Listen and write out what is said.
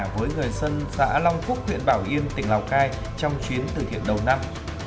với người dân xã long phúc huyện bảo yên tỉnh lào cai trong chuyến từ thiện đầu năm